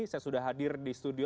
saya sudah hadir di studio